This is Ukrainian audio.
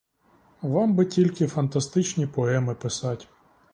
Вам би тільки фантастичні поеми писать.